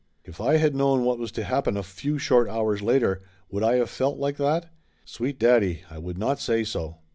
If I had known what was to happen a few short hours later, would I have felt like that? Sweet daddy, I would not say so!